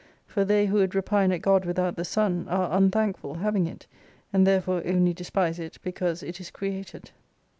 For they who would repine at God without the sun, are unthankful, having it : and there fore only despise it, because it is created.